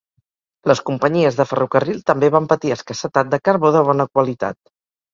Les companyies de ferrocarril també van patir escassetat de carbó de bona qualitat.